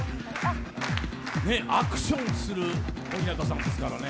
アクションする小日向さんですからね。